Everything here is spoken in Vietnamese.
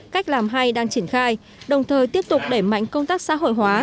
cách làm hay đang triển khai đồng thời tiếp tục đẩy mạnh công tác xã hội hóa